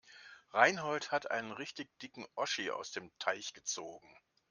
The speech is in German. Reinhold hat einen richtig dicken Oschi aus dem Teich gezogen.